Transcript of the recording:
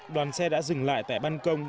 đoàn xe đã dừng lại tại băn công